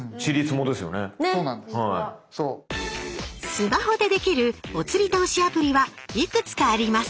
スマホでできるおつり投資アプリはいくつかあります。